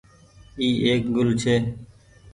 اي ايڪ گل ڇي۔